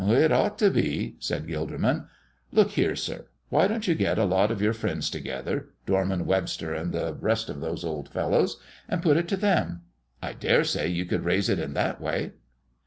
"It ought to be," said Gilderman. "Look here, sir; why don't you get a lot of your friends together Dorman Webster and the rest of those old fellows and put it to them? I dare say you could raise it in that way."